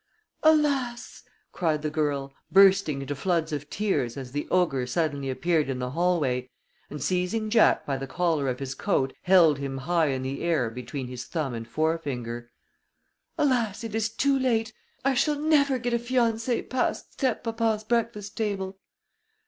"Alas!" cried the girl, bursting into floods of tears as the ogre suddenly appeared in the hallway, and seizing Jack by the collar of his coat held him high in the air between his thumb and forefinger. "Alas! it is too late. I shall never get a fiancé past step papa's breakfast table!"